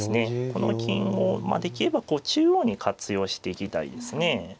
この金をできれば中央に活用していきたいですね。